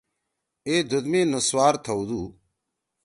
ای دُھوت مے نسوار تھؤدو۔